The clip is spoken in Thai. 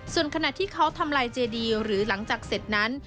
ส่วนขณะที่เขาทำลายเจดีหรือหลังจากเสร็จนั้น